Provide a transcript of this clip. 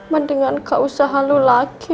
mendingan gak usah halu lagi